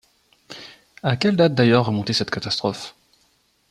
À quelle date d’ailleurs remontait cette catastrophe ?